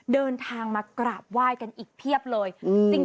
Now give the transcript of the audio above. เดินทางมากราบไหว้กันอีกเพียบเลย